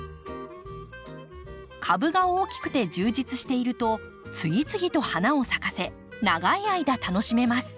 株が大きくて充実していると次々と花を咲かせ長い間楽しめます。